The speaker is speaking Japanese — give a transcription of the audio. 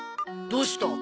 どうした？